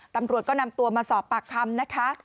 ตำรวจก็นำตัวมาสอบปากคำนะคะ